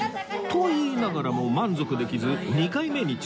と言いながらも満足できず２回目に挑戦した徳さん